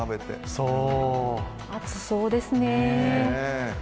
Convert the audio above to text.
暑そうですね。